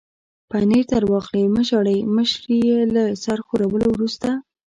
پنیر در واخلئ، مه ژاړئ، مشرې یې له سر ښورولو وروسته.